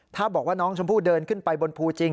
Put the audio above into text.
ถ้าบอกว่าน้องชมพู่เดินขึ้นไปบนภูจริง